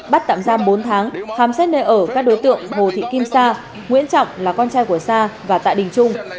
bắt tạm giam bốn tháng khám xét nơi ở các đối tượng hồ thị kim sa nguyễn trọng là con trai của sa và tạ đình trung